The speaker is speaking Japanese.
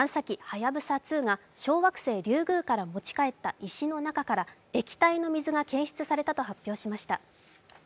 「はやぶさ２」が小惑星リュウグウから持ち帰った石の中から液体の水が検出されたと発表しました。